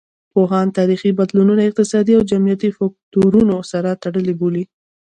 پوهان تاریخي بدلونونه اقتصادي او جمعیتي فکتورونو سره تړلي بولي.